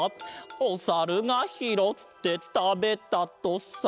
「おさるがひろってたべたとさ」